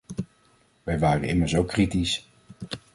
Wij waren immers ook kritisch.